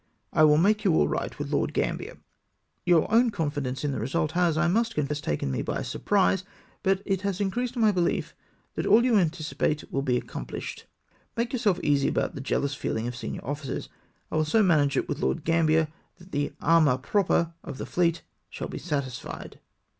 I will make you all right with Lord Gambler. Your own confidence in the result has, I must confess, taken me by surprise, but it has increased my behef that all you anticipate will be accompHshed. Make yourself easy about the jealous feehng of senior officers ; I will so manage it with Lord Gambler that the amour propre of the fleet shall be satisfied."